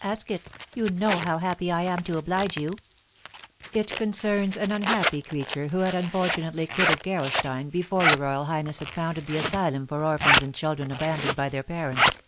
"Ask it, you know how happy I am to oblige you." "It concerns an unhappy creature who had unfortunately quitted Gerolstein before your royal highness had founded the asylum for orphans and children abandoned by their parents."